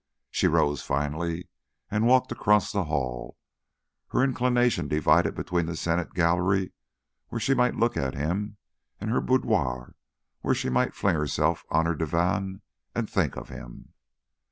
She rose finally and walked across the hall, her inclination divided between the Senate Gallery where she might look at him, and her boudoir where she might fling herself on her divan and think of him.